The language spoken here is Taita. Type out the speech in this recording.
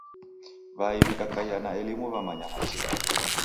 W'ai w'ikakaia na elimu wamanya hachi raw'o.